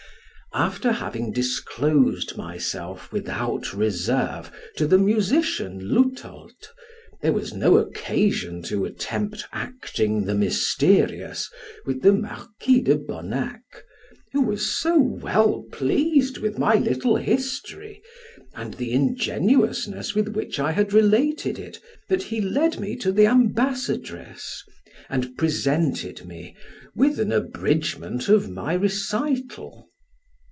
After having disclosed myself without reserve to the musician Lutold, there was no occasion to attempt acting the mysterious with the Marquis de Bonac, who was so well pleased with my little history, and the ingenuousness with which I had related it, that he led me to the ambassadress, and presented me, with an abridgment of my recital.